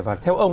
và theo ông